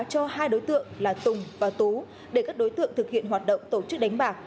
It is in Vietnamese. cho hai đối tượng là tùng và tú để các đối tượng thực hiện hoạt động tổ chức đánh bạc